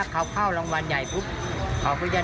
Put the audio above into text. ถ้าข้าวลงมาในใหญ่ราคา